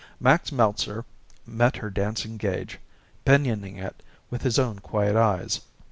Max Meltzer met her dancing gaze, pinioning it with his own quiet eyes.